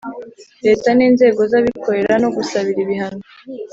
Leta ninzego zabikorera no gusabira ibihano